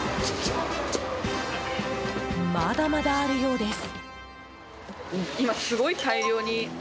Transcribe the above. まだまだあるようです。